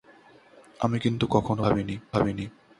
আমি কিন্তু কখনও ওরূপ ভাবিনি।